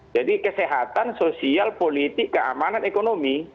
jadi kesehatan sosial politik keamanan ekonomi